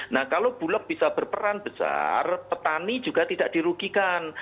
nah kalau bulog bisa berperan besar petani juga tidak dirugikan